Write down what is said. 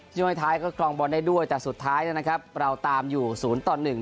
ช่วงท้ายก็ครองบอลได้ด้วยแต่สุดท้ายนะครับเราตามอยู่ศูนย์ต่อหนึ่ง